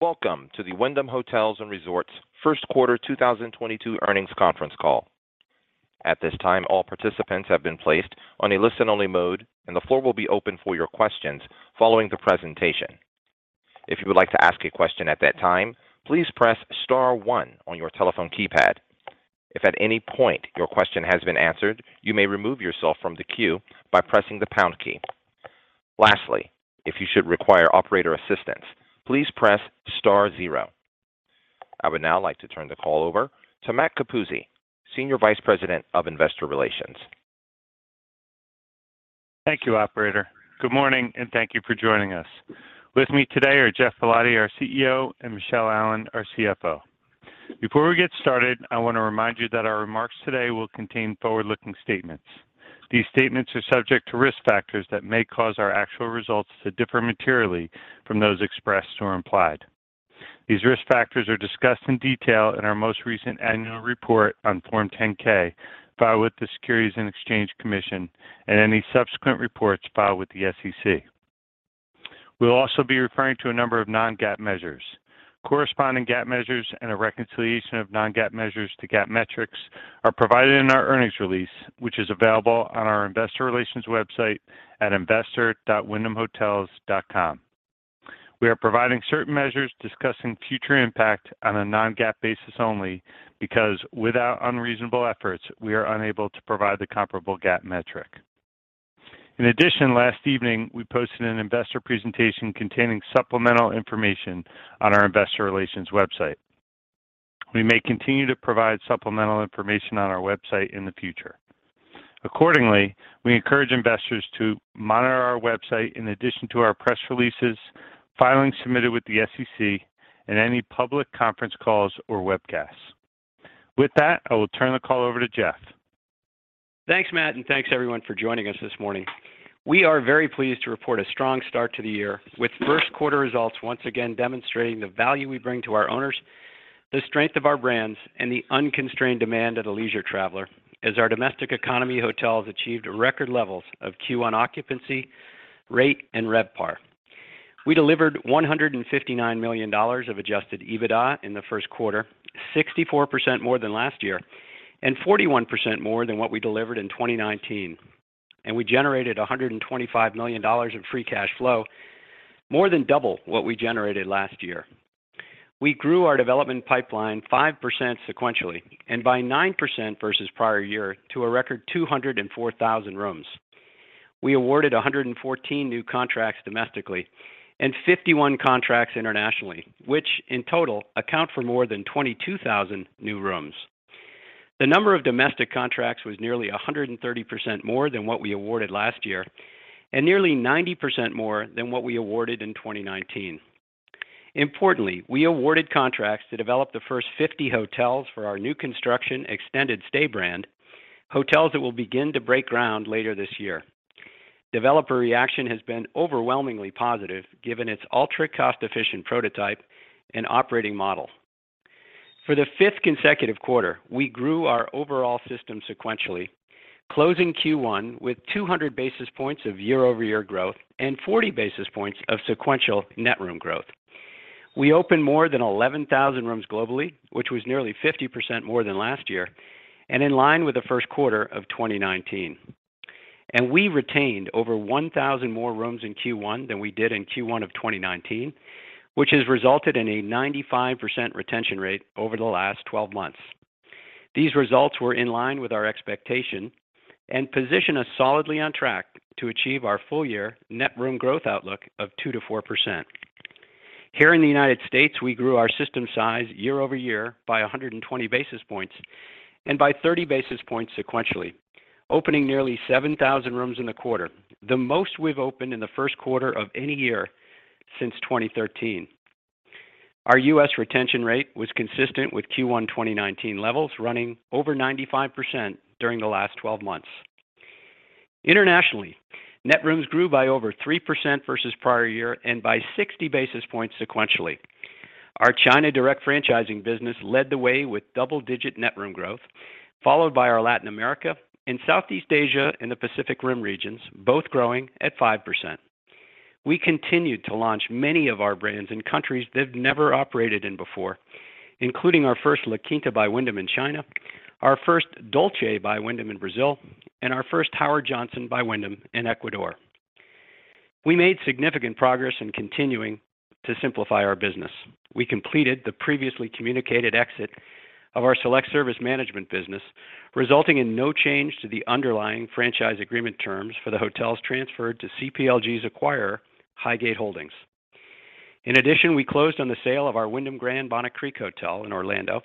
Welcome to the Wyndham Hotels & Resorts first quarter 2022 earnings conference call. At this time, all participants have been placed on a listen-only mode, and the floor will be open for your questions following the presentation. If you would like to ask a question at that time, please press star one on your telephone keypad. If at any point your question has been answered, you may remove yourself from the queue by pressing the pound key. Lastly, if you should require operator assistance, please press star zero. I would now like to turn the call over to Matt Capuzzi, Senior Vice President of Investor Relations. Thank you, operator. Good morning, and thank you for joining us. With me today are Geoff Ballotti, our CEO, and Michele Allen, our CFO. Before we get started, I want to remind you that our remarks today will contain forward-looking statements. These statements are subject to risk factors that may cause our actual results to differ materially from those expressed or implied. These risk factors are discussed in detail in our most recent annual report on Form 10-K filed with the Securities and Exchange Commission and any subsequent reports filed with the SEC. We'll also be referring to a number of non-GAAP measures. Corresponding GAAP measures and a reconciliation of non-GAAP measures to GAAP metrics are provided in our earnings release, which is available on our investor relations website at investor.wyndhamhotels.com. We are providing certain measures discussing future impact on a non-GAAP basis only because, without unreasonable efforts, we are unable to provide the comparable GAAP metric. In addition, last evening, we posted an investor presentation containing supplemental information on our investor relations website. We may continue to provide supplemental information on our website in the future. Accordingly, we encourage investors to monitor our website in addition to our press releases, filings submitted with the SEC, and any public conference calls or webcasts. With that, I will turn the call over to Geoff. Thanks, Matt, and thanks everyone for joining us this morning. We are very pleased to report a strong start to the year, with first quarter results once again demonstrating the value we bring to our owners, the strength of our brands, and the unconstrained demand of the leisure traveler as our domestic economy hotels achieved record levels of Q1 occupancy, rate, and RevPAR. We delivered $159 million of adjusted EBITDA in the first quarter, 64% more than last year and 41% more than what we delivered in 2019. We generated $125 million in free cash flow, more than double what we generated last year. We grew our development pipeline 5% sequentially and by 9% versus prior year to a record 204,000 rooms. We awarded 114 new contracts domestically and 51 contracts internationally, which in total account for more than 22,000 new rooms. The number of domestic contracts was nearly 130% more than what we awarded last year and nearly 90% more than what we awarded in 2019. Importantly, we awarded contracts to develop the first 50 hotels for our new construction extended stay brand, hotels that will begin to break ground later this year. Developer reaction has been overwhelmingly positive given its ultra cost-efficient prototype and operating model. For the fifth consecutive quarter, we grew our overall system sequentially, closing Q1 with 200 basis points of year-over-year growth and 40 basis points of sequential net room growth. We opened more than 11,000 rooms globally, which was nearly 50% more than last year and in line with the first quarter of 2019. We retained over 1,000 more rooms in Q1 than we did in Q1 of 2019, which has resulted in a 95% retention rate over the last 12 months. These results were in line with our expectation and position us solidly on track to achieve our full year net room growth outlook of 2%-4%. Here in the United States, we grew our system size year-over-year by 120 basis points and by 30 basis points sequentially, opening nearly 7,000 rooms in the quarter, the most we've opened in the first quarter of any year since 2013. Our U.S. retention rate was consistent with Q1 2019 levels, running over 95% during the last twelve months. Internationally, net rooms grew by over 3% versus prior year and by 60 basis points sequentially. Our China direct franchising business led the way with double-digit net room growth, followed by our Latin America and Southeast Asia and the Pacific Rim regions, both growing at 5%. We continued to launch many of our brands in countries they've never operated in before, including our first La Quinta by Wyndham in China, our first Dolce by Wyndham in Brazil, and our first Howard Johnson by Wyndham in Ecuador. We made significant progress in continuing to simplify our business. We completed the previously communicated exit of our select service management business, resulting in no change to the underlying franchise agreement terms for the hotels transferred to CPLG's acquirer, Highgate. In addition, we closed on the sale of our Wyndham Grand Orlando Resort Bonnet Creek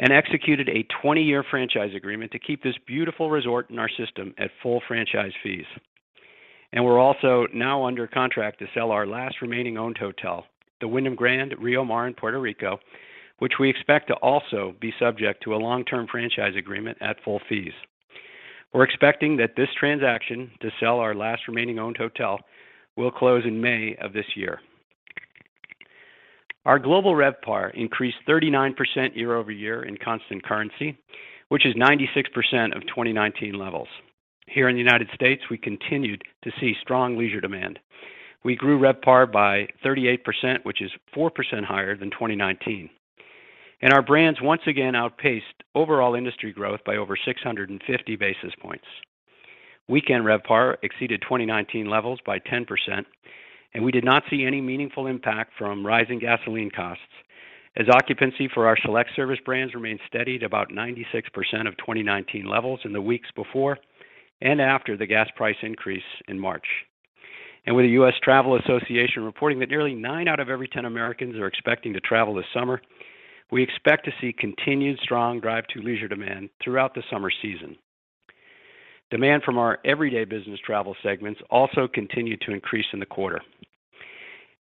and executed a 20-year franchise agreement to keep this beautiful resort in our system at full franchise fees. We're also now under contract to sell our last remaining owned hotel, the Wyndham Grand Rio Mar in Puerto Rico, which we expect to also be subject to a long-term franchise agreement at full fees. We're expecting that this transaction to sell our last remaining owned hotel will close in May of this year. Our global RevPAR increased 39% year-over-year in constant currency, which is 96% of 2019 levels. Here in the United States, we continued to see strong leisure demand. We grew RevPAR by 38%, which is 4% higher than 2019. Our brands once again outpaced overall industry growth by over 650 basis points. Weekend RevPAR exceeded 2019 levels by 10%, and we did not see any meaningful impact from rising gasoline costs as occupancy for our select service brands remained steady at about 96% of 2019 levels in the weeks before and after the gas price increase in March. With the U.S. Travel Association reporting that nearly nine out of every 10 Americans are expecting to travel this summer, we expect to see continued strong drive to leisure demand throughout the summer season. Demand from our everyday business travel segments also continued to increase in the quarter.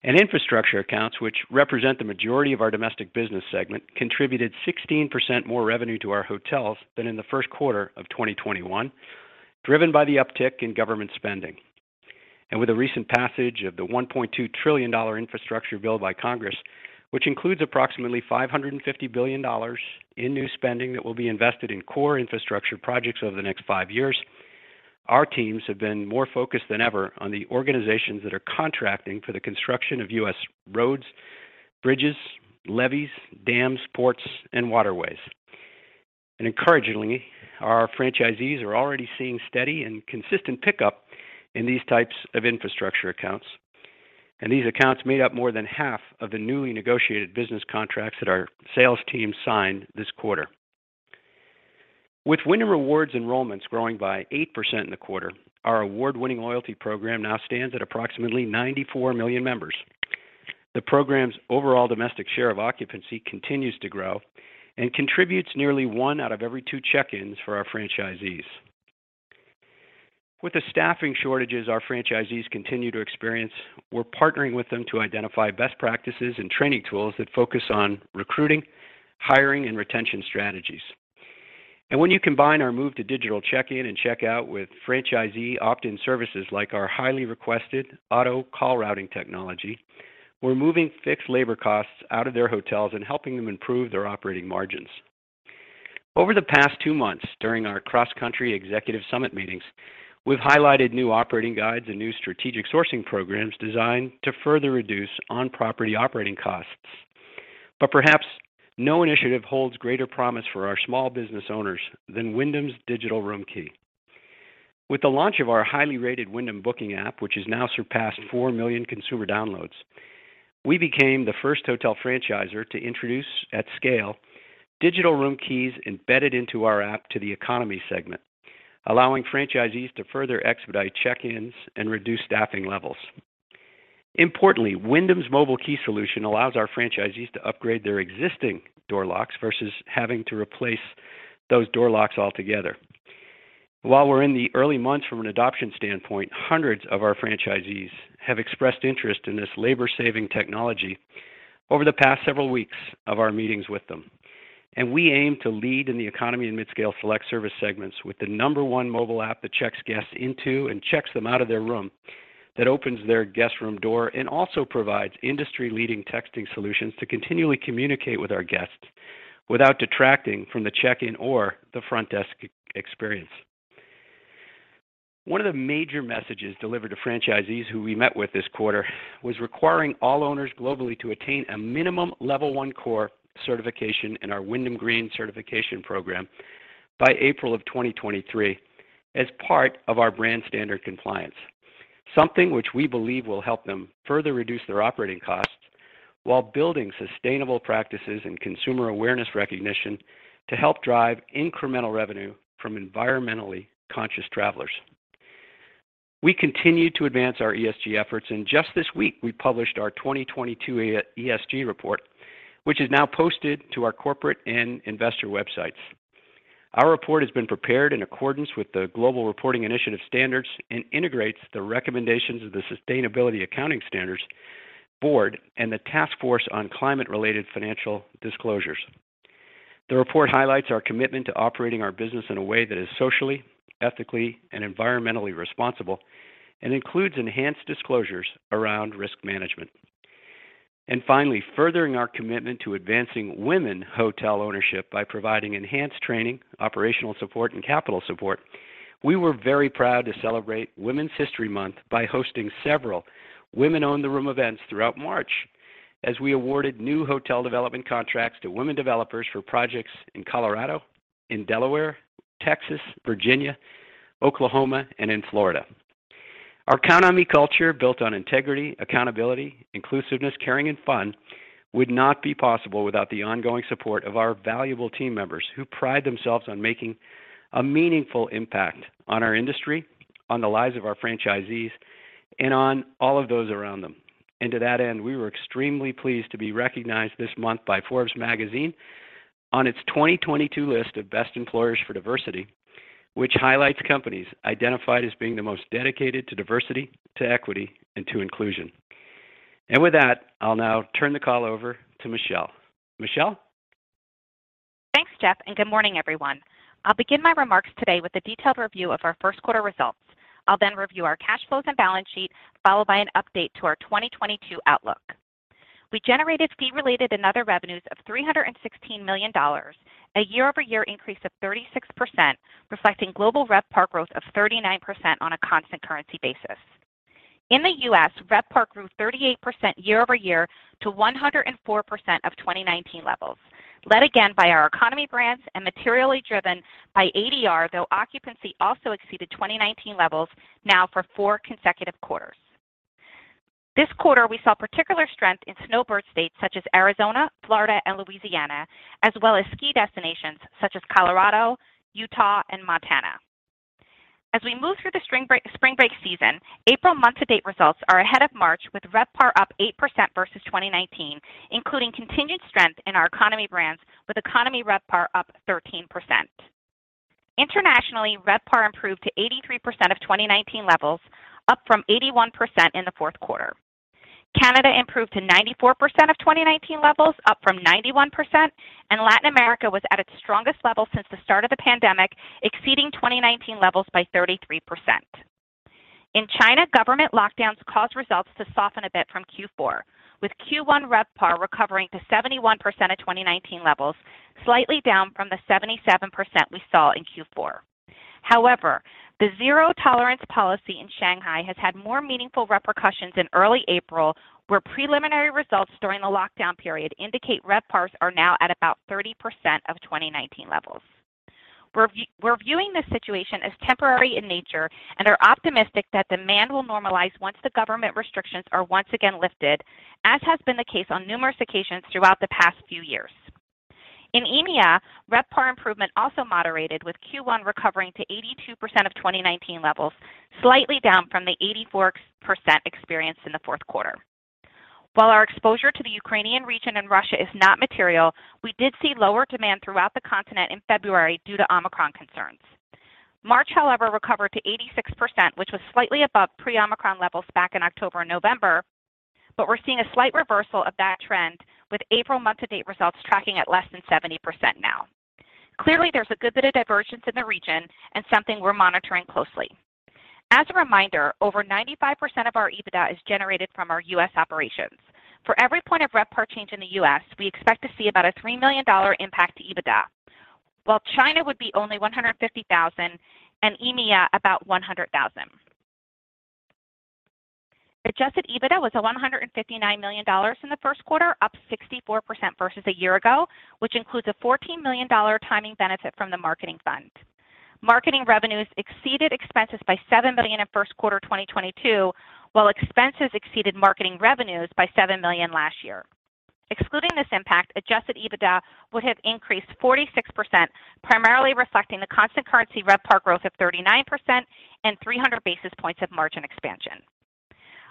Infrastructure accounts, which represent the majority of our domestic business segment, contributed 16% more revenue to our hotels than in the first quarter of 2021, driven by the uptick in government spending. With the recent passage of the $1.2 trillion infrastructure bill by Congress, which includes approximately $550 billion in new spending that will be invested in core infrastructure projects over the next five years, our teams have been more focused than ever on the organizations that are contracting for the construction of U.S. roads, bridges, levees, dams, ports, and waterways. Encouragingly, our franchisees are already seeing steady and consistent pickup in these types of infrastructure accounts. These accounts made up more than half of the newly negotiated business contracts that our sales team signed this quarter. With Wyndham Rewards enrollments growing by 8% in the quarter, our award-winning loyalty program now stands at approximately 94 million members. The program's overall domestic share of occupancy continues to grow and contributes nearly one out of every 2 check-ins for our franchisees. With the staffing shortages our franchisees continue to experience, we're partnering with them to identify best practices and training tools that focus on recruiting, hiring, and retention strategies. When you combine our move to digital check-in and check-out with franchisee opt-in services like our highly requested auto call routing technology, we're moving fixed labor costs out of their hotels and helping them improve their operating margins. Over the past two months during our cross-country executive summit meetings, we've highlighted new operating guides and new strategic sourcing programs designed to further reduce on-property operating costs. Perhaps no initiative holds greater promise for our small business owners than Wyndham's digital room key. With the launch of our highly rated Wyndham booking app, which has now surpassed 4 million consumer downloads, we became the first hotel franchisor to introduce, at scale, digital room keys embedded into our app to the economy segment, allowing franchisees to further expedite check-ins and reduce staffing levels. Importantly, Wyndham's mobile key solution allows our franchisees to upgrade their existing door locks versus having to replace those door locks altogether. While we're in the early months from an adoption standpoint, hundreds of our franchisees have expressed interest in this labor-saving technology over the past several weeks of our meetings with them. We aim to lead in the economy and midscale select service segments with the number one mobile app that checks guests into and checks them out of their room, that opens their guest room door, and also provides industry-leading texting solutions to continually communicate with our guests without detracting from the check-in or the front desk experience. One of the major messages delivered to franchisees who we met with this quarter was requiring all owners globally to attain a minimum level one core certification in our Wyndham Green certification program by April 2023 as part of our brand standard compliance, something which we believe will help them further reduce their operating costs while building sustainable practices and consumer awareness recognition to help drive incremental revenue from environmentally conscious travelers. We continue to advance our ESG efforts, and just this week, we published our 2022 ESG report, which is now posted to our corporate and investor websites. Our report has been prepared in accordance with the Global Reporting Initiative standards and integrates the recommendations of the Sustainability Accounting Standards Board and the Task Force on Climate-related Financial Disclosures. The report highlights our commitment to operating our business in a way that is socially, ethically, and environmentally responsible and includes enhanced disclosures around risk management. Finally, furthering our commitment to advancing women hotel ownership by providing enhanced training, operational support, and capital support. We were very proud to celebrate Women's History Month by hosting several Women Own the Room events throughout March, as we awarded new hotel development contracts to women developers for projects in Colorado, in Delaware, Texas, Virginia, Oklahoma, and in Florida. Our company culture, built on integrity, accountability, inclusiveness, caring, and fun, would not be possible without the ongoing support of our valuable team members who pride themselves on making a meaningful impact on our industry, on the lives of our franchisees, and on all of those around them. To that end, we were extremely pleased to be recognized this month by Forbes magazine on its 2022 list of Best Employers for Diversity, which highlights companies identified as being the most dedicated to diversity, to equity, and to inclusion. With that, I'll now turn the call over to Michele. Michele? Thanks, Geoff, and good morning, everyone. I'll begin my remarks today with a detailed review of our first quarter results. I'll then review our cash flows and balance sheet, followed by an update to our 2022 outlook. We generated fee related and other revenues of $316 million, a year-over-year increase of 36%, reflecting global RevPAR growth of 39% on a constant currency basis. In the U.S., RevPAR grew 38% year-over-year to 104% of 2019 levels. Led again by our economy brands and materially driven by ADR, though occupancy also exceeded 2019 levels now for four consecutive quarters. This quarter we saw particular strength in snowbird states such as Arizona, Florida, and Louisiana, as well as ski destinations such as Colorado, Utah, and Montana. As we move through the spring break season, April month to date results are ahead of March with RevPAR up 8% versus 2019, including continued strength in our economy brands with economy RevPAR up 13%. Internationally, RevPAR improved to 83% of 2019 levels, up from 81% in the fourth quarter. Canada improved to 94% of 2019 levels, up from 91%, and Latin America was at its strongest level since the start of the pandemic, exceeding 2019 levels by 33%. In China, government lockdowns caused results to soften a bit from Q4, with Q1 RevPAR recovering to 71% of 2019 levels, slightly down from the 77% we saw in Q4. However, the zero tolerance policy in Shanghai has had more meaningful repercussions in early April, where preliminary results during the lockdown period indicate RevPARs are now at about 30% of 2019 levels. We're viewing this situation as temporary in nature and are optimistic that demand will normalize once the government restrictions are once again lifted, as has been the case on numerous occasions throughout the past few years. In EMEA, RevPAR improvement also moderated with Q1 recovering to 82% of 2019 levels, slightly down from the 84% experienced in the fourth quarter. While our exposure to the Ukrainian region and Russia is not material, we did see lower demand throughout the continent in February due to Omicron concerns. March, however, recovered to 86%, which was slightly above pre-Omicron levels back in October and November. We're seeing a slight reversal of that trend with April month to date results tracking at less than 70% now. Clearly, there's a good bit of divergence in the region and something we're monitoring closely. As a reminder, over 95% of our EBITDA is generated from our U.S. operations. For every point of RevPAR change in the U.S., we expect to see about a $3 million impact to EBITDA, while China would be only $150,000 and EMEA about $100,000. Adjusted EBITDA was $159 million in the first quarter, up 64% versus a year ago, which includes a $14 million timing benefit from the marketing fund. Marketing revenues exceeded expenses by $7 million in first quarter 2022, while expenses exceeded marketing revenues by $7 million last year. Excluding this impact, adjusted EBITDA would have increased 46%, primarily reflecting the constant currency RevPAR growth of 39% and 300 basis points of margin expansion.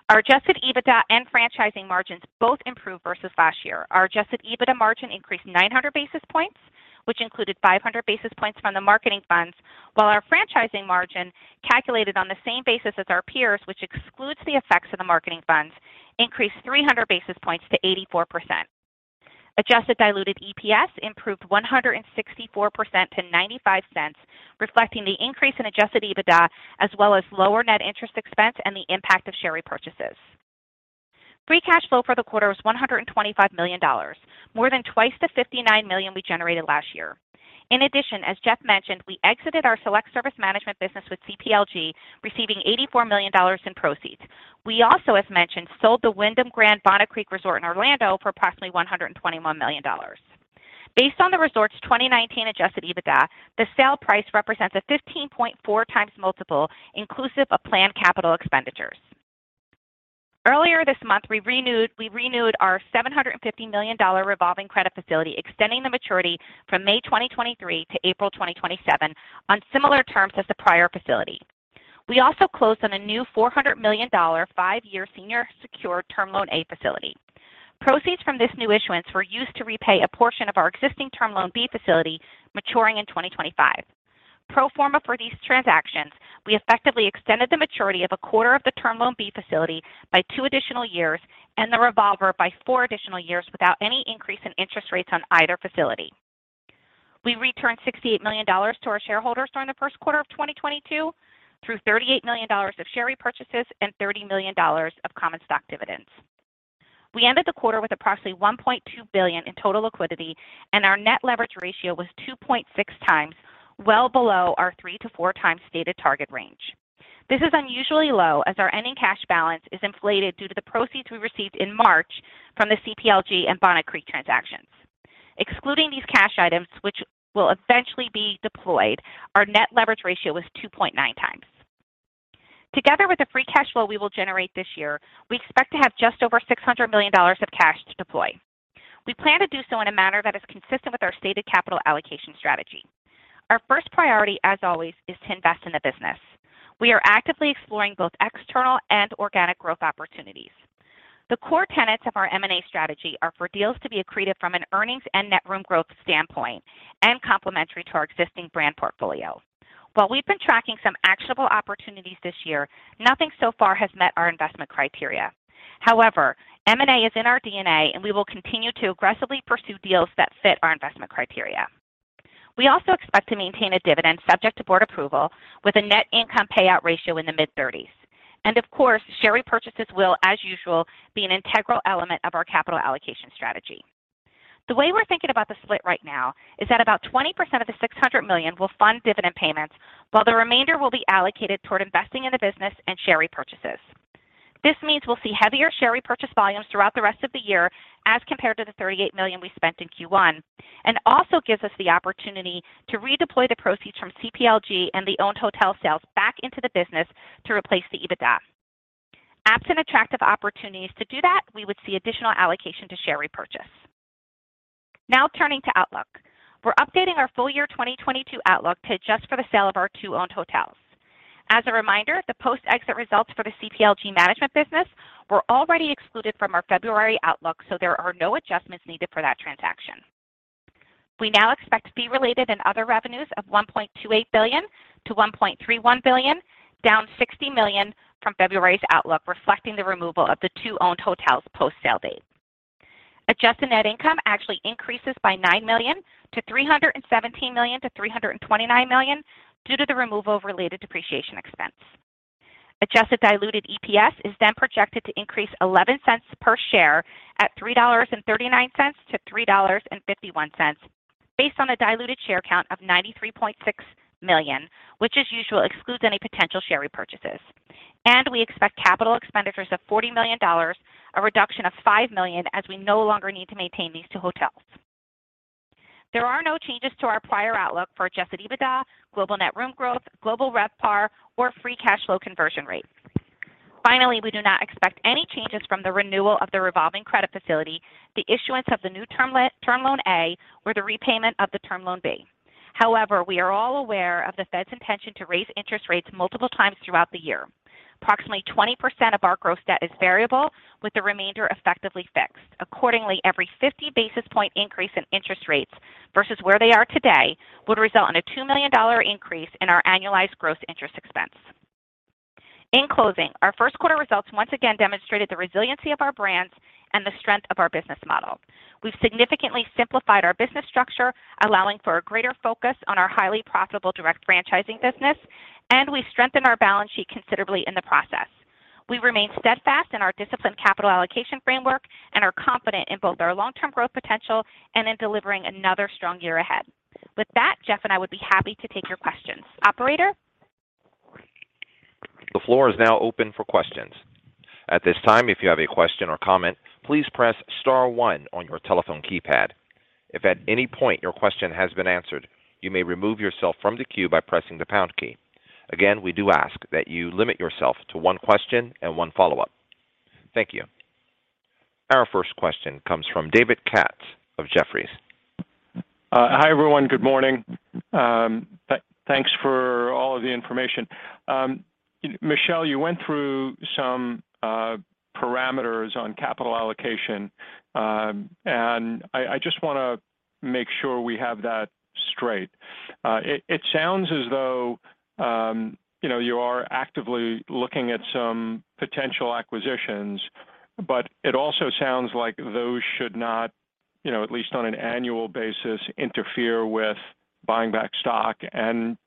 Our adjusted EBITDA and franchising margins both improved versus last year. Our adjusted EBITDA margin increased 900 basis points, which included 500 basis points from the marketing funds, while our franchising margin, calculated on the same basis as our peers, which excludes the effects of the marketing funds, increased 300 basis points to 84%. Adjusted diluted EPS improved 164% to $0.95, reflecting the increase in adjusted EBITDA, as well as lower net interest expense and the impact of share repurchases. Free cash flow for the quarter was $125 million, more than twice the $59 million we generated last year. In addition, as Geoff mentioned, we exited our select service management business with CPLG, receiving $84 million in proceeds. We also, as mentioned, sold the Wyndham Grand Orlando Resort Bonnet Creek in Orlando for approximately $121 million. Based on the resort's 2019 adjusted EBITDA, the sale price represents a 15.4x multiple inclusive of planned capital expenditures. Earlier this month, we renewed our $750 million revolving credit facility, extending the maturity from May 2023 to April 2027 on similar terms as the prior facility. We also closed on a new $400 million five-year senior secured term loan A facility. Proceeds from this new issuance were used to repay a portion of our existing term loan B facility maturing in 2025. Pro forma for these transactions, we effectively extended the maturity of a quarter of the term loan B facility by two additional years and the revolver by four additional years without any increase in interest rates on either facility. We returned $68 million to our shareholders during the first quarter of 2022 through $38 million of share repurchases and $30 million of common stock dividends. We ended the quarter with approximately $1.2 billion in total liquidity, and our net leverage ratio was 2.6x, well below our 3-4x stated target range. This is unusually low as our ending cash balance is inflated due to the proceeds we received in March from the CPLG and Bonnet Creek transactions. Excluding these cash items, which will eventually be deployed, our net leverage ratio was 2.9x. Together with the free cash flow we will generate this year, we expect to have just over $600 million of cash to deploy. We plan to do so in a manner that is consistent with our stated capital allocation strategy. Our first priority, as always, is to invest in the business. We are actively exploring both external and organic growth opportunities. The core tenets of our M&A strategy are for deals to be accretive from an earnings and net room growth standpoint and complementary to our existing brand portfolio. While we've been tracking some actionable opportunities this year, nothing so far has met our investment criteria. However, M&A is in our DNA, and we will continue to aggressively pursue deals that fit our investment criteria. We also expect to maintain a dividend subject to board approval with a net income payout ratio in the mid-30s%. Of course, share repurchases will, as usual, be an integral element of our capital allocation strategy. The way we're thinking about the split right now is that about 20% of the $600 million will fund dividend payments, while the remainder will be allocated toward investing in the business and share repurchases. This means we'll see heavier share repurchase volumes throughout the rest of the year as compared to the $38 million we spent in Q1, and also gives us the opportunity to redeploy the proceeds from CPLG and the owned hotel sales back into the business to replace the EBITDA. Absent attractive opportunities to do that, we would see additional allocation to share repurchase. Now turning to outlook. We're updating our full-year 2022 outlook to adjust for the sale of our two owned hotels. As a reminder, the post-exit results for the CPLG management business were already excluded from our February outlook, so there are no adjustments needed for that transaction. We now expect fee related and other revenues of $1.28 billion-$1.31 billion, down $60 million from February's outlook, reflecting the removal of the two owned hotels post-sale date. Adjusted net income actually increases by $9 million- $317 million-$329 million due to the removal of related depreciation expense. Adjusted diluted EPS is then projected to increase $0.11 per share at $3.39-$3.51 based on a diluted share count of 93.6 million, which as usual excludes any potential share repurchases. We expect capital expenditures of $40 million, a reduction of $5 million as we no longer need to maintain these two hotels. There are no changes to our prior outlook for adjusted EBITDA, global net room growth, global RevPAR, or free cash flow conversion rate. Finally, we do not expect any changes from the renewal of the revolving credit facility, the issuance of the new term loan A, or the repayment of the term loan B. However, we are all aware of the Fed's intention to raise interest rates multiple times throughout the year. Approximately 20% of our gross debt is variable, with the remainder effectively fixed. Accordingly, every 50 basis point increase in interest rates versus where they are today would result in a $2 million increase in our annualized gross interest expense. In closing, our first quarter results once again demonstrated the resiliency of our brands and the strength of our business model. We've significantly simplified our business structure, allowing for a greater focus on our highly profitable direct franchising business, and we've strengthened our balance sheet considerably in the process. We remain steadfast in our disciplined capital allocation framework and are confident in both our long-term growth potential and in delivering another strong year ahead. With that, Geoff and I would be happy to take your questions. Operator? The floor is now open for questions. At this time, if you have a question or comment, please press star one on your telephone keypad. If at any point your question has been answered, you may remove yourself from the queue by pressing the pound key. Again, we do ask that you limit yourself to one question and one follow-up. Thank you. Our first question comes from David Katz of Jefferies. Hi, everyone. Good morning. Thanks for all of the information. Michele, you went through some parameters on capital allocation, and I just wanna make sure we have that straight. It sounds as though, you know, you are actively looking at some potential acquisitions, but it also sounds like those should not, you know, at least on an annual basis, interfere with buying back stock and,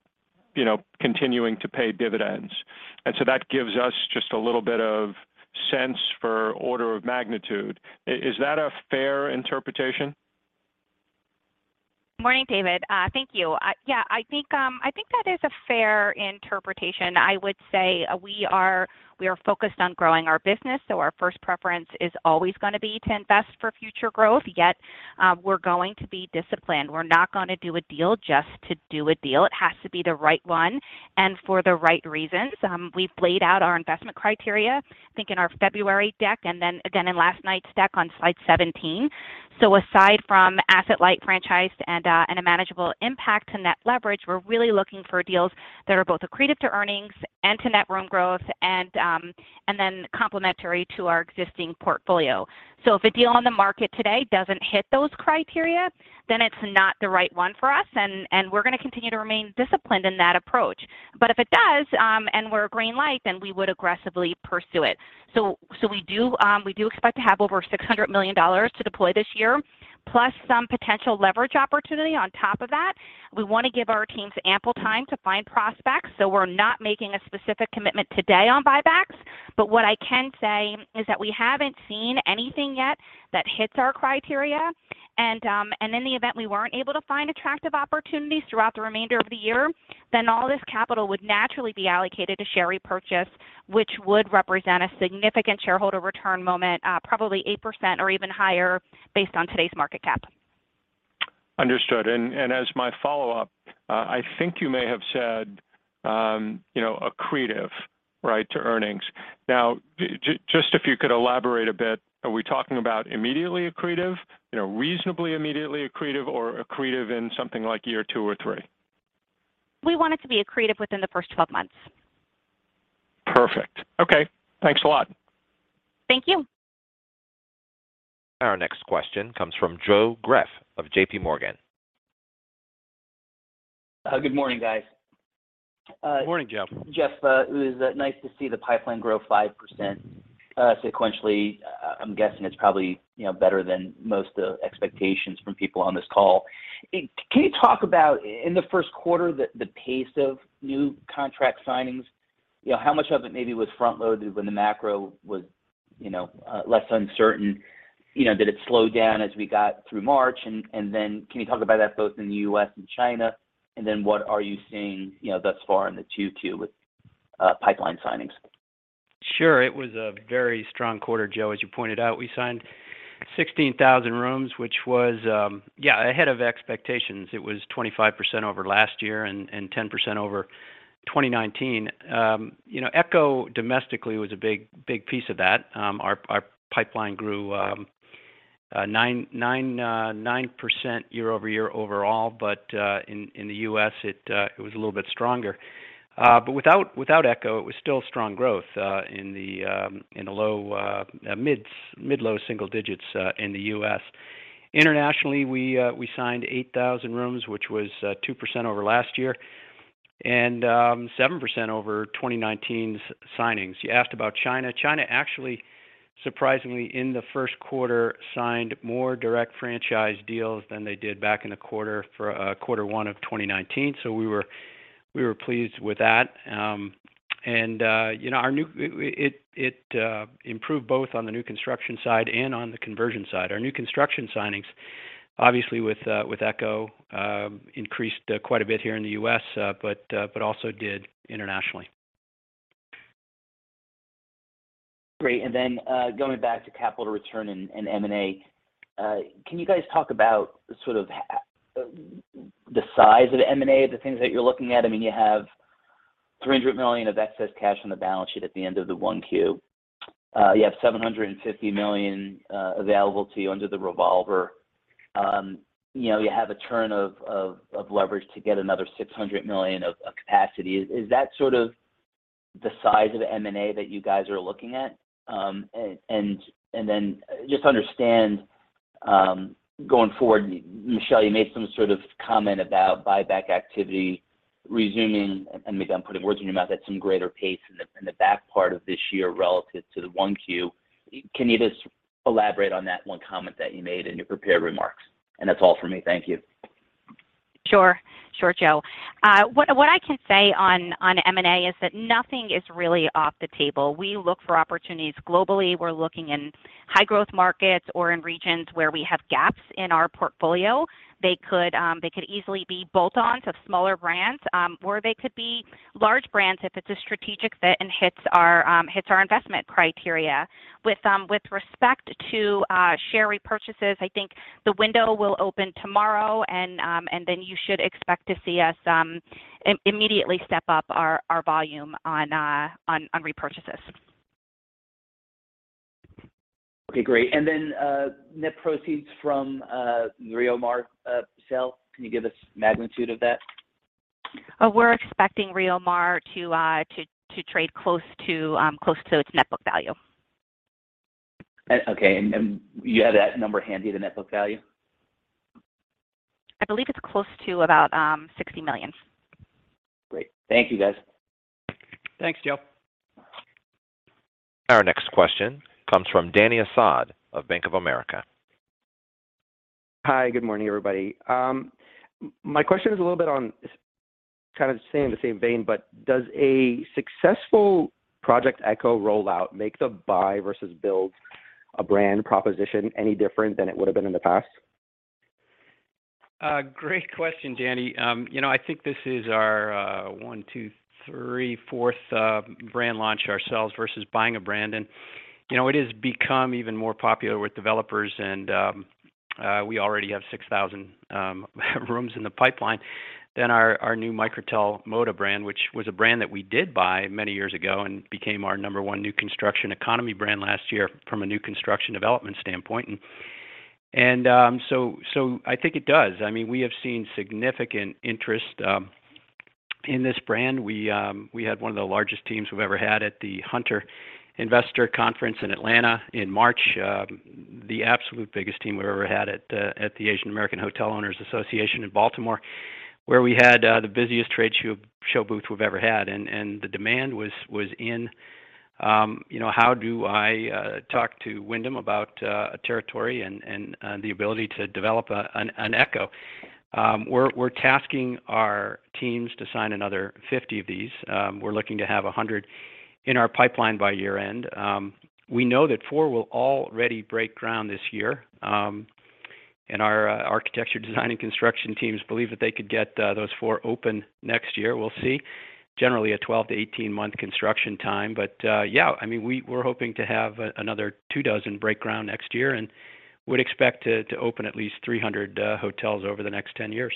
you know, continuing to pay dividends. That gives us just a little bit of sense for order of magnitude. Is that a fair interpretation? Morning, David. Thank you. Yeah, I think that is a fair interpretation. I would say we are focused on growing our business, so our first preference is always gonna be to invest for future growth, yet we're going to be disciplined. We're not gonna do a deal just to do a deal. It has to be the right one and for the right reasons. We've laid out our investment criteria, I think in our February deck and then again in last night's deck on slide 17. Aside from asset-light franchise and a manageable impact to net leverage, we're really looking for deals that are both accretive to earnings and to net room growth and then complementary to our existing portfolio. If a deal on the market today doesn't hit those criteria, then it's not the right one for us, and we're gonna continue to remain disciplined in that approach. If it does, and we get a green light, then we would aggressively pursue it. We do expect to have over $600 million to deploy this year, plus some potential leverage opportunity on top of that. We wanna give our teams ample time to find prospects, so we're not making a specific commitment today on buybacks. What I can say is that we haven't seen anything yet that hits our criteria. In the event we weren't able to find attractive opportunities throughout the remainder of the year, then all this capital would naturally be allocated to share repurchase, which would represent a significant shareholder return moment, probably 8% or even higher based on today's market cap. Understood. As my follow-up, I think you may have said, you know, accretive, right, to earnings. Now, just if you could elaborate a bit, are we talking about immediately accretive, you know, reasonably immediately accretive, or accretive in something like year two or three? We want it to be accretive within the first 12 months. Perfect. Okay. Thanks a lot. Thank you. Our next question comes from Joe Greff of J.P. Morgan. Good morning, guys. Good morning, Joe. Geoff, it was nice to see the pipeline grow 5% sequentially. I'm guessing it's probably, you know, better than most of the expectations from people on this call. Can you talk about in the first quarter, the pace of new contract signings? You know, how much of it maybe was front loaded when the macro was, you know, less uncertain? You know, did it slow down as we got through March? Then can you talk about that both in the U.S. and China, and then what are you seeing, you know, thus far in the Q2 with pipeline signings? Sure. It was a very strong quarter, Joe. As you pointed out, we signed 16,000 rooms, which was, yeah, ahead of expectations. It was 25% over last year and 10% over 2019. You know, ECHO domestically was a big piece of that. Our pipeline grew 9% year-over-year overall, but in the U.S., it was a little bit stronger. Without ECHO, it was still strong growth in the low- to mid-single digits in the U.S. Internationally, we signed 8,000 rooms, which was 2% over last year and 7% over 2019's signings. You asked about China. China actually, surprisingly, in the first quarter, signed more direct franchise deals than they did back in quarter one of 2019. We were pleased with that. You know, it improved both on the new construction side and on the conversion side. Our new construction signings, obviously with ECHO, increased quite a bit here in the U.S., but also did internationally. Great. Going back to capital return and M&A, can you guys talk about sort of the size of M&A, the things that you're looking at? I mean, you have $300 million of excess cash on the balance sheet at the end of 1Q. You have $750 million available to you under the revolver. You know, you have a turn of leverage to get another $600 million of capacity. Is that sort of the size of M&A that you guys are looking at? Just understand going forward, Michele, you made some sort of comment about buyback activity resuming, and maybe I'm putting words in your mouth, at some greater pace in the back part of this year relative to 1Q. Can you just elaborate on that one comment that you made in your prepared remarks? That's all for me. Thank you. Sure. Sure, Joe. What I can say on M&A is that nothing is really off the table. We look for opportunities globally. We're looking in high growth markets or in regions where we have gaps in our portfolio. They could easily be bolt-ons of smaller brands, or they could be large brands if it's a strategic fit and hits our investment criteria. With respect to share repurchases, I think the window will open tomorrow, and then you should expect to see us immediately step up our volume on repurchases. Okay, great. Net proceeds from Rio Mar sale, can you give us magnitude of that? We're expecting Rio Mar to trade close to its net book value. You have that number handy, the net book value? I believe it's close to about $60 million. Great. Thank you, guys. Thanks, Joe. Our next question comes from Dany Asad of Bank of America. Hi. Good morning, everybody. My question is a little bit on kind of staying in the same vein, but does a successful Project ECHO rollout make the buy versus build a brand proposition any different than it would have been in the past? Great question, Danny. You know, I think this is our 1, 2, 3, fourth brand launch ourselves versus buying a brand. You know, it has become even more popular with developers and we already have 6,000 rooms in the pipeline for our new Microtel Moda brand, which was a brand that we did buy many years ago and became our number one new construction economy brand last year from a new construction development standpoint. I think it does. I mean, we have seen significant interest in this brand. We had one of the largest teams we've ever had at the Hunter Hotel Investment Conference in Atlanta in March. The absolute biggest team we've ever had at the Asian American Hotel Owners Association in Baltimore, where we had the busiest trade show booth we've ever had. The demand was insane, you know, how do I talk to Wyndham about a territory and the ability to develop an ECHO. We're tasking our teams to sign another 50 of these. We're looking to have 100 in our pipeline by year-end. We know that four will already break ground this year. Our architecture design and construction teams believe that they could get those four open next year. We'll see. Generally, a 12-18-month construction time. Yeah, I mean, we're hoping to have another two dozen break ground next year, and would expect to open at least 300 hotels over the next 10 years.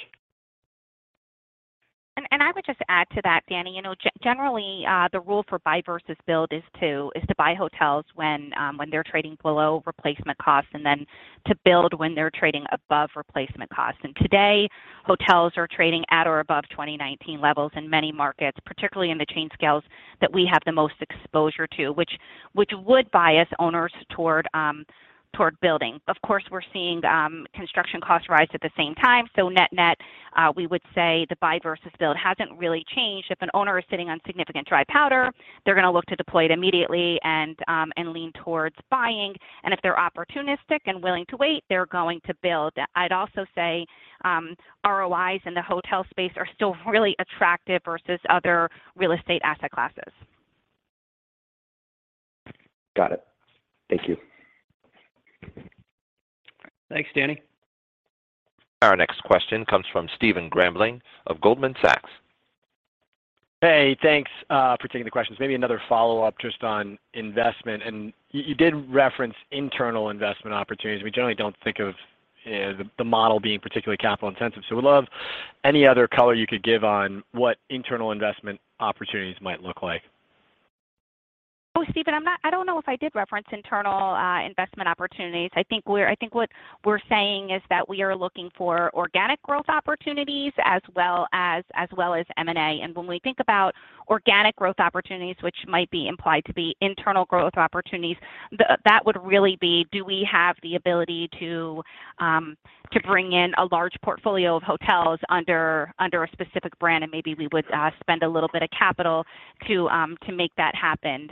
I would just add to that, Dany, generally, the rule for buy versus build is to buy hotels when they're trading below replacement costs and then to build when they're trading above replacement costs. Today, hotels are trading at or above 2019 levels in many markets, particularly in the chain scales that we have the most exposure to, which would bias owners toward building. Of course, we're seeing construction costs rise at the same time. Net-net, we would say the buy versus build hasn't really changed. If an owner is sitting on significant dry powder, they're gonna look to deploy it immediately and lean towards buying. If they're opportunistic and willing to wait, they're going to build. I'd also say, ROIs in the hotel space are still really attractive versus other real estate asset classes. Got it. Thank you. Thanks, Dany. Our next question comes from Stephen Grambling of Goldman Sachs. Hey, thanks for taking the questions. Maybe another follow-up just on investment. You did reference internal investment opportunities. We generally don't think of the model being particularly capital intensive. Would love any other color you could give on what internal investment opportunities might look like. Oh, Stephen, I don't know if I did reference internal investment opportunities. I think what we're saying is that we are looking for organic growth opportunities as well as M&A. When we think about organic growth opportunities, which might be implied to be internal growth opportunities, that would really be do we have the ability to bring in a large portfolio of hotels under a specific brand, and maybe we would spend a little bit of capital to make that happen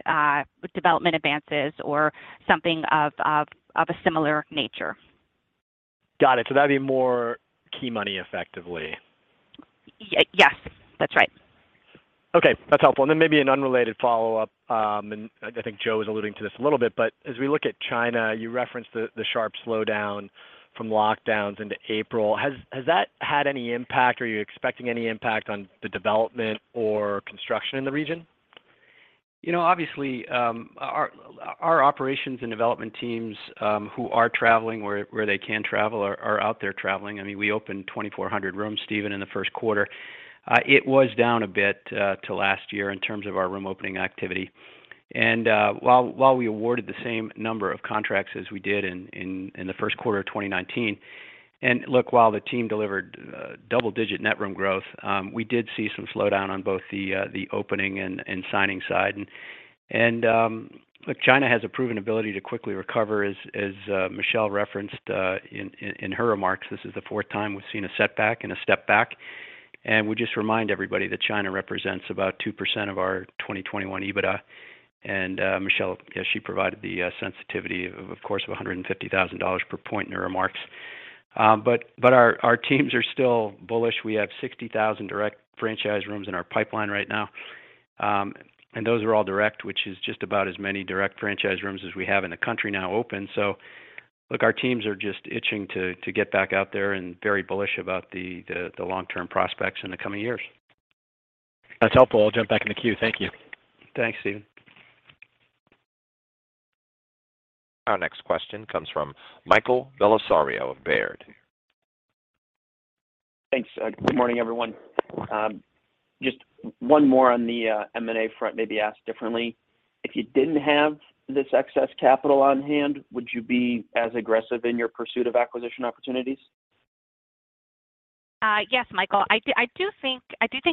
with development advances or something of a similar nature. Got it. That'd be more key money effectively. Yes, that's right. Okay, that's helpful. Maybe an unrelated follow-up, and I think Joe was alluding to this a little bit, but as we look at China, you referenced the sharp slowdown from lockdowns into April. Has that had any impact? Are you expecting any impact on the development or construction in the region? You know, obviously, our operations and development teams, who are traveling where they can travel are out there traveling. I mean, we opened 2,400 rooms, Stephen, in the first quarter. It was down a bit to last year in terms of our room opening activity. While we awarded the same number of contracts as we did in the first quarter of 2019, and look, while the team delivered double-digit net room growth, we did see some slowdown on both the opening and signing side. Look, China has a proven ability to quickly recover. As Michele referenced in her remarks, this is the fourth time we've seen a setback and a step back. We just remind everybody that China represents about 2% of our 2021 EBITDA. Michele, yeah, she provided the sensitivity, of course, of $150,000 per point in her remarks. Our teams are still bullish. We have 60,000 direct franchise rooms in our pipeline right now. Those are all direct, which is just about as many direct franchise rooms as we have in the country now open. Our teams are just itching to get back out there and very bullish about the long-term prospects in the coming years. That's helpful. I'll jump back in the queue. Thank you. Thanks, Stephen. Our next question comes from Michael Bellisario of Baird. Thanks. Good morning, everyone. Just one more on the M&A front, maybe asked differently. If you didn't have this excess capital on hand, would you be as aggressive in your pursuit of acquisition opportunities? Yes, Michael. I do think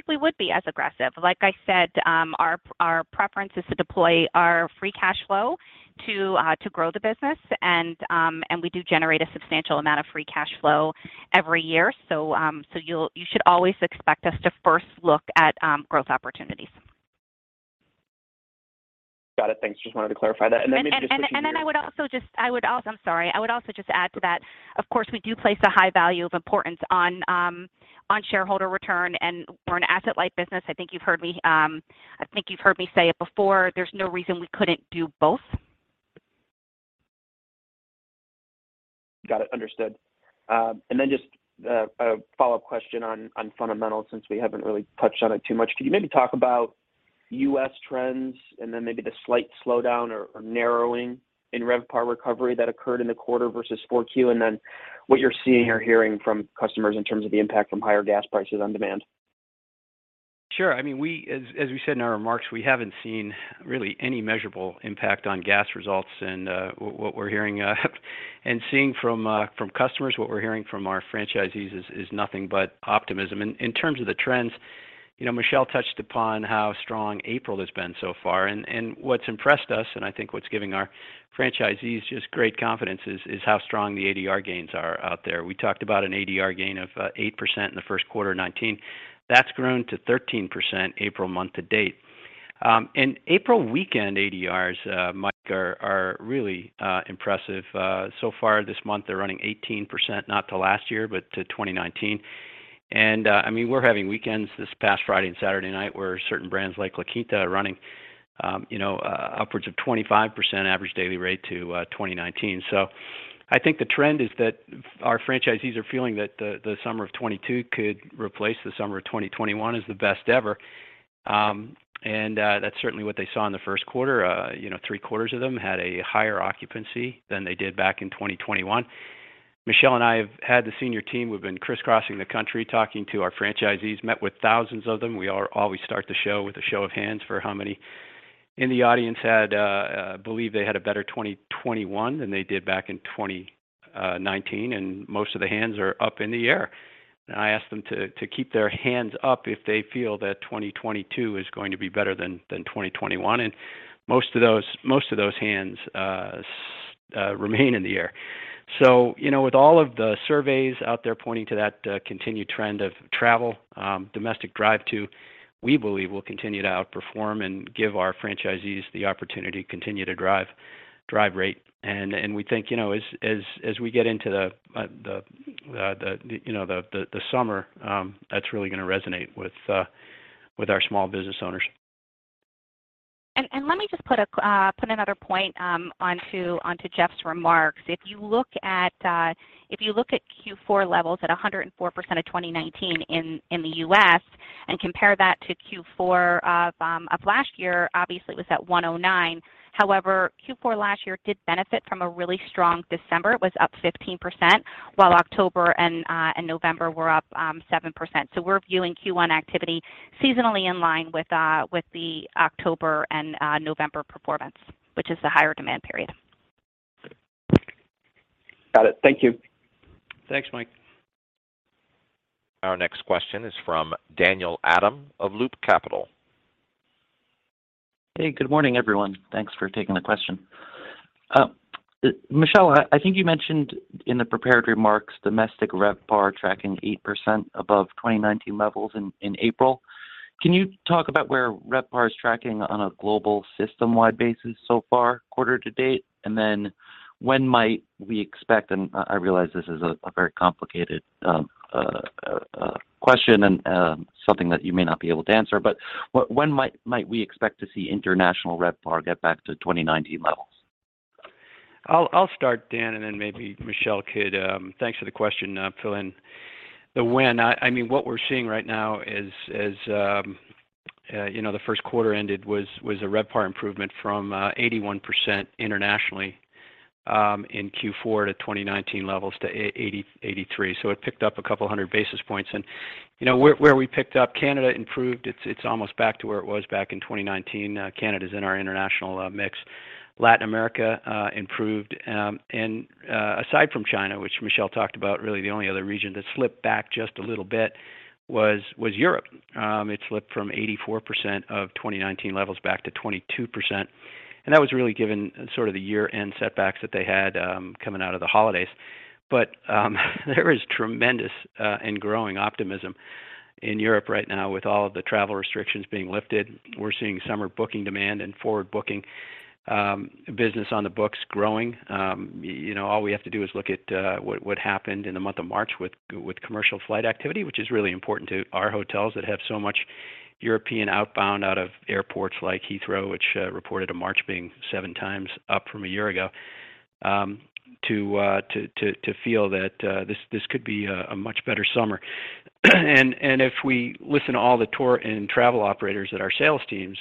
we would be as aggressive. Like I said, our preference is to deploy our free cash flow to grow the business. We do generate a substantial amount of free cash flow every year, so you should always expect us to first look at growth opportunities. Got it. Thanks. Just wanted to clarify that. Maybe just switching gears. I'm sorry. I would also just add to that, of course. We do place a high value of importance on shareholder return, and we're an asset-light business. I think you've heard me say it before. There's no reason we couldn't do both. Got it, understood. Just a follow-up question on fundamentals, since we haven't really touched on it too much. Can you maybe talk about U.S. trends and then maybe the slight slowdown or narrowing in RevPAR recovery that occurred in the quarter versus 4Q, and then what you're seeing or hearing from customers in terms of the impact from higher gas prices on demand? Sure. I mean, as we said in our remarks, we haven't seen really any measurable impact on our results. What we're hearing and seeing from customers, what we're hearing from our franchisees is nothing but optimism. In terms of the trends, you know, Michele touched upon how strong April has been so far. What's impressed us, and I think what's giving our franchisees just great confidence is how strong the ADR gains are out there. We talked about an ADR gain of 8% in the first quarter of 2019. That's grown to 13% April month to date. April weekend ADRs, Mike, are really impressive. So far this month, they're running 18%, not to last year, but to 2019. I mean, we're having weekends this past Friday and Saturday night where certain brands like La Quinta are running, you know, upwards of 25% average daily rate to 2019. I think the trend is that our franchisees are feeling that the summer of 2022 could replace the summer of 2021 as the best ever. That's certainly what they saw in the first quarter. You know, three-quarters of them had a higher occupancy than they did back in 2021. Michele and I have had the senior team. We've been crisscrossing the country talking to our franchisees, met with thousands of them. We always start the show with a show of hands for how many in the audience believe they had a better 2021 than they did back in 2019, and most of the hands are up in the air. I ask them to keep their hands up if they feel that 2022 is going to be better than 2021, and most of those hands remain in the air. You know, with all of the surveys out there pointing to that continued trend of travel, domestic drive to, we believe we'll continue to outperform and give our franchisees the opportunity to continue to drive rate. We think, you know, as we get into the summer, you know, that's really gonna resonate with our small business owners. Let me just put another point onto Geoff's remarks. If you look at Q4 levels at 104% of 2019 in the US and compare that to Q4 of last year, obviously it was at 109. However, Q4 last year did benefit from a really strong December. It was up 15%, while October and November were up 7%. We're viewing Q1 activity seasonally in line with the October and November performance, which is the higher demand period. Got it. Thank you. Thanks, Mike. Our next question is from Daniel Adam of Loop Capital. Hey, good morning, everyone. Thanks for taking the question. Michele, I think you mentioned in the prepared remarks domestic RevPAR tracking 8% above 2019 levels in April. Can you talk about where RevPAR is tracking on a global system-wide basis so far quarter to date? When might we expect, and I realize this is a very complicated question and something that you may not be able to answer, but when might we expect to see international RevPAR get back to 2019 levels? I'll start, Dan, and then maybe Michele could fill in then. I mean, what we're seeing right now, as the first quarter ended, was a RevPAR improvement from 81% internationally in Q4 to 2019 levels to 83%. So it picked up a couple hundred basis points. You know, where we picked up, Canada improved. It's almost back to where it was back in 2019. Canada's in our international mix. Latin America improved, and aside from China, which Michele talked about, really the only other region that slipped back just a little bit was Europe. It slipped from 84% of 2019 levels back to 22%, and that was really given sort of the year-end setbacks that they had, coming out of the holidays. There is tremendous and growing optimism in Europe right now with all of the travel restrictions being lifted. We're seeing summer booking demand and forward booking, business on the books growing. You know, all we have to do is look at what happened in the month of March with commercial flight activity, which is really important to our hotels that have so much European outbound out of airports like Heathrow, which reported in March being 7x up from a year ago, to feel that this could be a much better summer. If we listen to all the tour and travel operators that our sales teams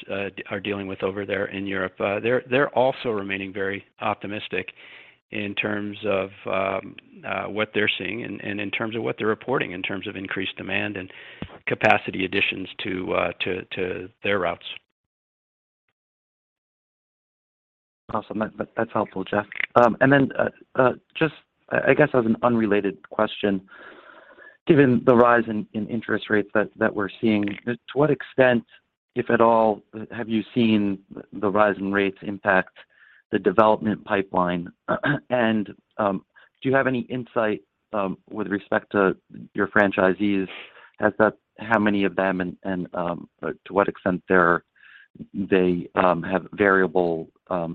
are dealing with over there in Europe, they're also remaining very optimistic in terms of what they're seeing and in terms of what they're reporting in terms of increased demand and capacity additions to their routes. Awesome. That's helpful, Geoff. Then, just, I guess as an unrelated question, given the rise in interest rates that we're seeing, to what extent, if at all, have you seen the rise in rates impact the development pipeline? Do you have any insight with respect to your franchisees, how many of them and to what extent they have variable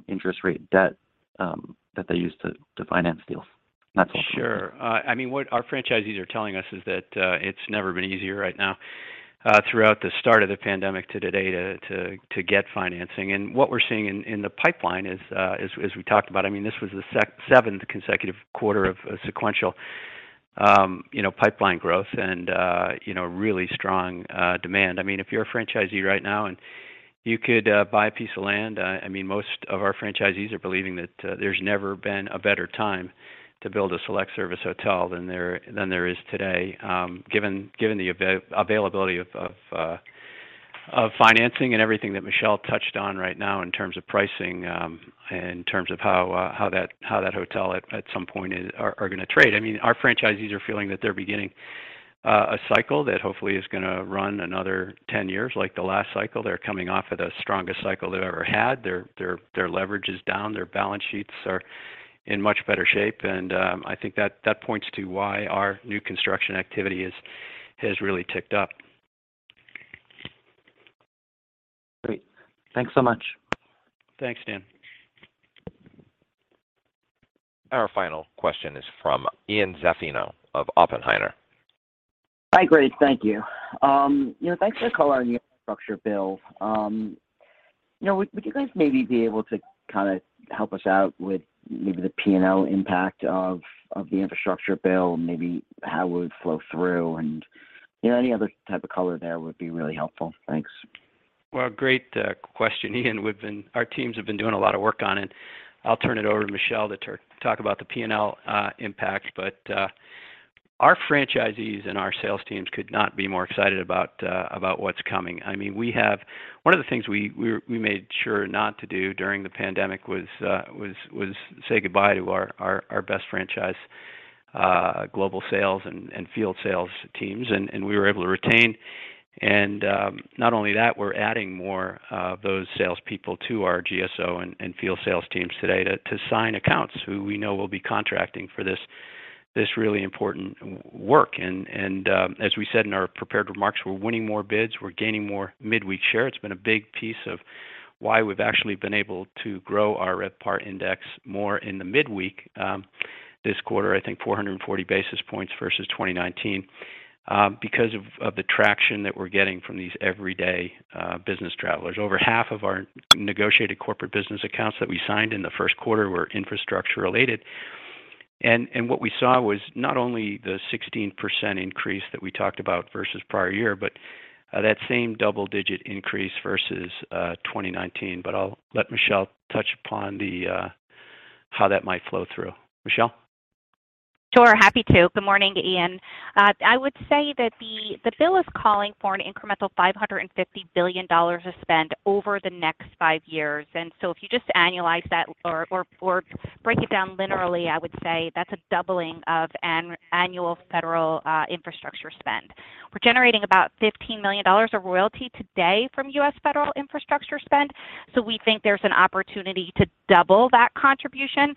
interest rate debt that they use to finance deals? That's all. Sure. I mean, what our franchisees are telling us is that it's never been easier right now throughout the start of the pandemic to today to get financing. What we're seeing in the pipeline is, as we talked about, I mean, this was the seventh consecutive quarter of sequential you know pipeline growth and you know really strong demand. I mean, if you're a franchisee right now, and you could buy a piece of land, I mean, most of our franchisees are believing that there's never been a better time to build a select service hotel than there is today, given the availability of financing and everything that Michele touched on right now in terms of pricing, in terms of how that hotel at some point is gonna trade. I mean, our franchisees are feeling that they're beginning a cycle that hopefully is gonna run another 10 years like the last cycle. They're coming off of the strongest cycle they've ever had. Their leverage is down. Their balance sheets are in much better shape. I think that points to why our new construction activity has really ticked up. Great. Thanks so much. Thanks, Dan. Our final question is from Ian Zaffino of Oppenheimer. Hi, great. Thank you. You know, thanks for calling our infrastructure bill. You know, would you guys maybe be able to kinda help us out with maybe the P&L impact of the infrastructure bill? Maybe how it would flow through, and you know, any other type of color there would be really helpful. Thanks. Well, great question, Ian. Our teams have been doing a lot of work on it. I'll turn it over to Michele to talk about the P&L impact. Our franchisees and our sales teams could not be more excited about what's coming. I mean, one of the things we made sure not to do during the pandemic was say goodbye to our best franchise global sales and field sales teams, and we were able to retain. Not only that, we're adding more of those salespeople to our GSO and field sales teams today to sign accounts who we know will be contracting for this really important work. As we said in our prepared remarks, we're winning more bids, we're gaining more midweek share. It's been a big piece of why we've actually been able to grow our RevPAR index more in the midweek, this quarter, I think 440 basis points versus 2019, because of the traction that we're getting from these everyday business travelers. Over half of our negotiated corporate business accounts that we signed in the first quarter were infrastructure related. What we saw was not only the 16% increase that we talked about versus prior year, but that same double-digit increase versus 2019. I'll let Michele touch upon the how that might flow through. Michele? Sure. Happy to. Good morning, Ian. I would say that the bill is calling for an incremental $550 billion to spend over the next five years. If you just annualize that or break it down linearly, I would say that's a doubling of annual federal infrastructure spend. We're generating about $15 million of royalty today from U.S. federal infrastructure spend. We think there's an opportunity to double that contribution,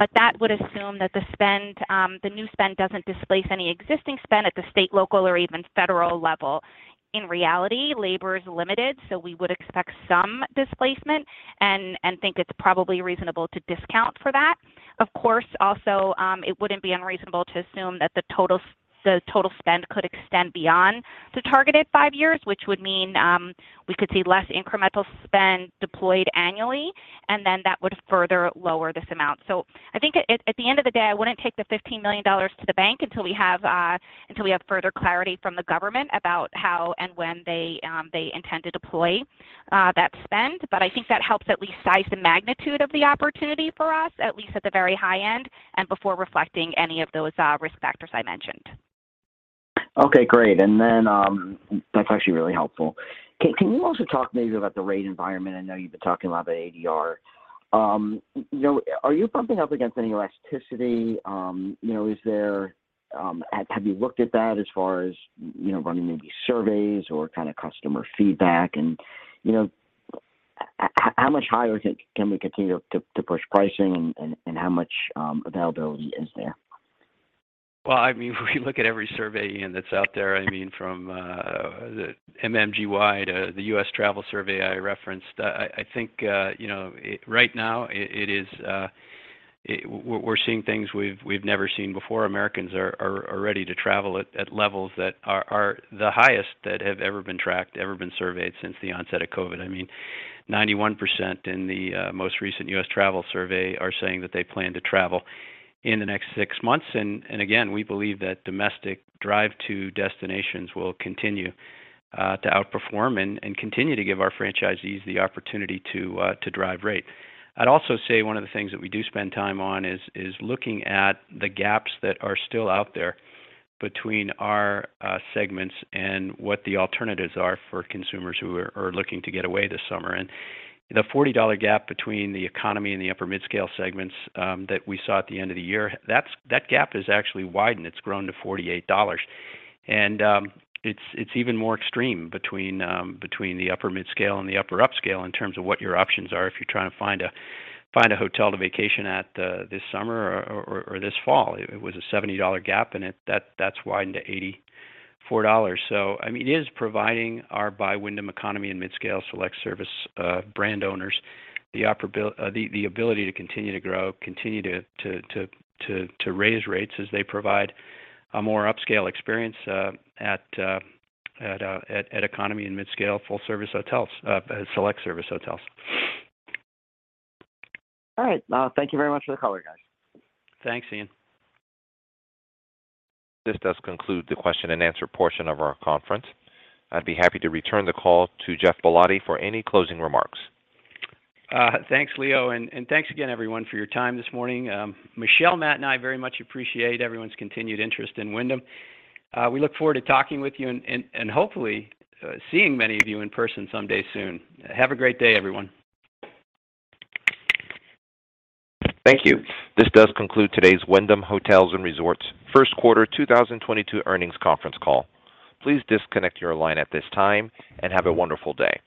but that would assume that the spend, the new spend doesn't displace any existing spend at the state, local or even federal level. In reality, labor is limited, so we would expect some displacement and think it's probably reasonable to discount for that. Of course, also, it wouldn't be unreasonable to assume that the total spend could extend beyond the targeted five years, which would mean we could see less incremental spend deployed annually, and then that would further lower this amount. I think at the end of the day, I wouldn't take the $15 million to the bank until we have further clarity from the government about how and when they intend to deploy that spend. I think that helps at least size the magnitude of the opportunity for us, at least at the very high end, and before reflecting any of those risk factors I mentioned. Okay. Great. That's actually really helpful. Can you also talk maybe about the rate environment? I know you've been talking a lot about ADR. You know, are you bumping up against any elasticity? You know, is there? Have you looked at that as far as, you know, running maybe surveys or kind of customer feedback? You know, how much higher can we continue to push pricing and how much availability is there? Well, I mean, we look at every survey, Ian, that's out there. I mean, from the MMGY to the U.S. Travel Survey I referenced. I think you know, right now it is. We're seeing things we've never seen before. Americans are ready to travel at levels that are the highest that have ever been tracked, ever been surveyed since the onset of COVID. I mean, 91% in the most recent U.S. Travel Survey are saying that they plan to travel in the next six months. Again, we believe that domestic drive to destinations will continue to outperform and continue to give our franchisees the opportunity to drive rate. I'd also say one of the things that we do spend time on is looking at the gaps that are still out there between our segments and what the alternatives are for consumers who are looking to get away this summer. The $40 gap between the economy and the upper mid-scale segments that we saw at the end of the year, that gap has actually widened. It's grown to $48. It's even more extreme between the upper mid-scale and the upper upscale in terms of what your options are if you're trying to find a hotel to vacation at this summer or this fall. It was a $70 gap. That's widened to $84. I mean, it is providing our by Wyndham economy and midscale select-service brand owners the ability to continue to grow, continue to raise rates as they provide a more upscale experience at economy and midscale full-service hotels, select-service hotels. All right. Thank you very much for the color, guys. Thanks, Ian. This does conclude the question and answer portion of our conference. I'd be happy to return the call to Geoff Ballotti for any closing remarks. Thanks, Leo, and thanks again everyone for your time this morning. Michele, Matt, and I very much appreciate everyone's continued interest in Wyndham. We look forward to talking with you and hopefully seeing many of you in person someday soon. Have a great day, everyone. Thank you. This does conclude today's Wyndham Hotels & Resorts First Quarter 2022 Earnings Conference Call. Please disconnect your line at this time, and have a wonderful day.